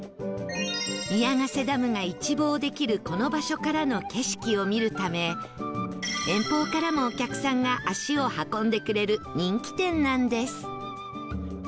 宮ヶ瀬ダムが一望できるこの場所からの景色を見るため遠方からもお客さんが足を運んでくれる人気店なんです